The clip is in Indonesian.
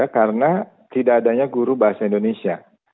karena tidak adanya guru bahasa indonesia